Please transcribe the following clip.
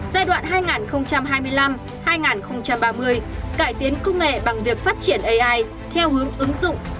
giai đoạn hai nghìn hai mươi năm hai nghìn ba mươi cải tiến công nghệ bằng việc phát triển ai theo hướng ứng dụng